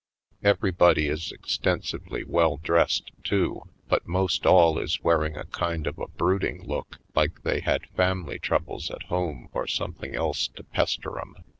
Every body is extensively well dressed, too, but Harlem Heights 63 most all is wearing a kind of a brooding look like they had family troubles at home or something else to pester 'em.